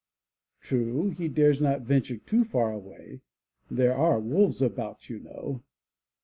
True, he dares not venture too far away. There are wolves about, you know.